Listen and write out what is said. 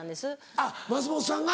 あっ松本さんが。